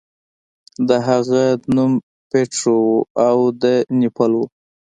د هغه نوم پیټرو و او د نیپل و.